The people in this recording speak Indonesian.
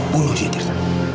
bunuh dia tirta